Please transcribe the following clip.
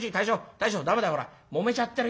大将ダメだほらもめちゃってるよ。